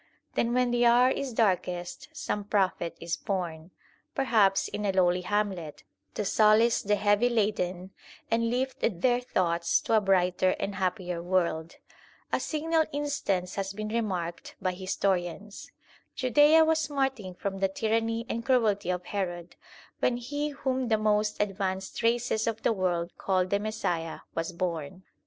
Then when the hour is darkest some prophet is born, perhaps in a lowly hamlet, to solace the heavy laden and lift their thoughts to a brighter and happier world. A signal instance has been remarked by historians. Judaea was smarting from the tyranny and cruelty of Herod when he whom the most advanced races of the world call the Messiah was born.